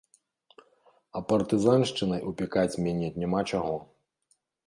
А партызаншчынай упікаць мяне няма чаго.